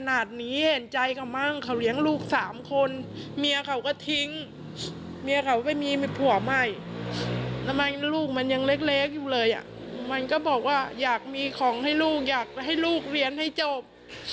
แต่มันก็บอกว่าอยากมีของให้ลูกอยากให้ลูกเรียนให้จบ